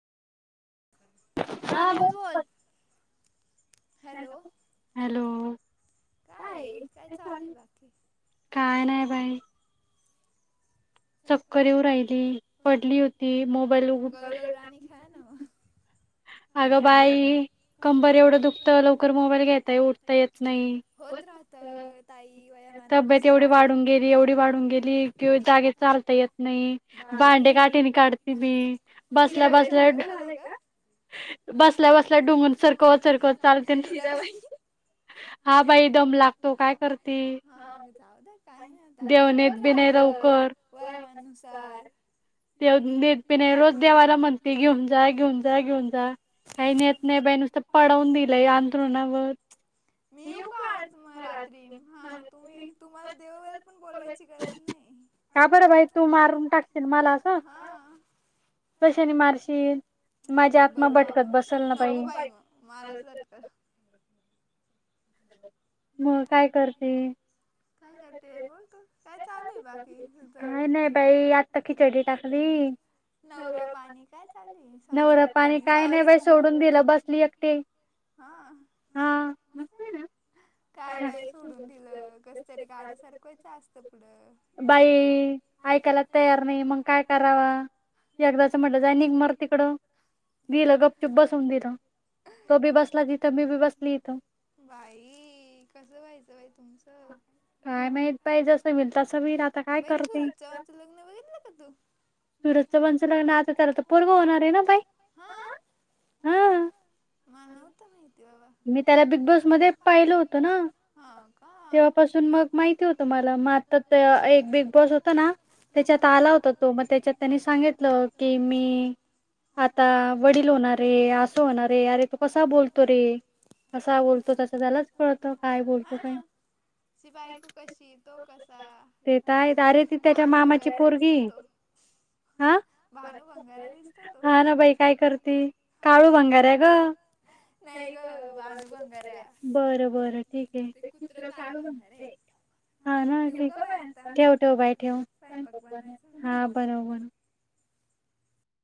हा ब हॅलो काय नाही बाई चक्करवर राहिली पडली होती मोबाईल अगं बाई कंबर एवढं दुखत लवकर मोबाईल घेताय उठता येत नाही राहत ताई तब्येत एवढी वाढून गेली एवढी वाढून गेली किंवा जागेत चालता येत नाही भांडे काठीणी काढते मी बसल्या बसल्या बसल्या बसल्या डुंगून सरकवत सरकवत चालते फिरा हा बाई दम लागतो काय करते देवणत बि वकर वमानुसार ते प रोज देवाला म्हणते घेऊन जा घेऊन जा घेऊन जा काही नेत नाही बाई नुसत पडवून दिलंय आंदोलनावर मी येऊ का आज मग रात्री हा तुम्ही तुम्हाला दे पण बोलवायची गरज नाही का बरं भाई तू मारून टाकशील मला असं कसेने मारशीील ते बघू आपण नको भाई मग माझच लटकर मग काय करते काय करते बोलतो काय चालूय बाकी तुझ एक म्ह हम्म नवरा पाणी काय चाले संसार पाणी सॉरी संसार पाणी हा ह काय बाय सोडून दिलं कसतरी गाड सारखंच असत पुढ शिकयला तयार नाही मग काय करावा एकदाच म्हटलं जानंग मर तिकडं दिलं गपचुप बसून दिला तो बी बसला तिथं मी बी बसली इथं आई कसं व्हायचं बाई तुमचं काय माहत पाहि जसं मिळत स वर आता काय करते ये सुरजच बणच लग आता त्याला तर पर्व होणार आहे ना बाई म नव्हत माहिती बाबा मी त्याला बिग बॉस मध्ये पाहिल होत ना तेव्हापासून मग माहिती होतं मला मग आता एक बिग बॉस होता ना त्याच्यात आला होता तो मग त्याच्यात त्यांनी सांगितलं की मी आता वडील होणारे असं होणारे अरे तू कसा बोलतो रे कसा बोलतो तो त्यास त्यालाच कळत काय बोलतो काही. शि बाई तू कशी येतो कसा भानू भंगारा दिसतो तो. हा हा ना बाई काय करते काळू भंगार्या ग. नाही. बाळू भंगार या. बरं बरं ठीक आहेु काय हा ना ठेव ठेव बाय ठेव हा बरोबर. [unintelligible] [inaudible]